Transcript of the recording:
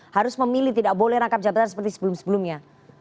harus memilih tidak boleh rangkap jabatan seperti sebelum sebelumnya